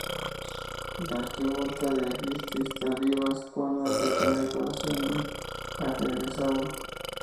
La arquivolta es de aristas vivas con una pequeña decoración de ajedrezado.